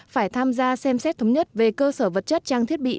phải tham gia xem xét thống nhất về cơ sở vật chất trang thiết bị